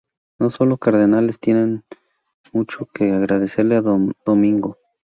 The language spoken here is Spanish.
No solo Cardenales tiene mucho que agradecerle a Don Domingo.